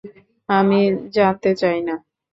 আমি জানতে চাই না।